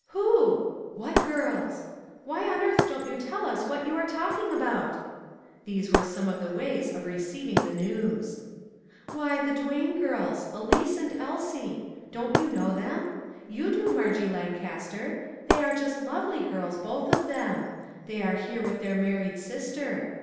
"Who?" "What girls?" "Why on earth don't you tell us what you are talking about ?" These were some of the ways of receiving the news. " Why, the Duane girls ; Elise and Elsie. Don't you know them ? You do, Margie Lan caster. They are just lovely girls, both of them. They are here with their married sister.